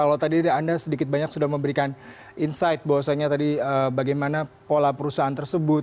kalau tadi anda sedikit banyak sudah memberikan insight bahwasannya tadi bagaimana pola perusahaan tersebut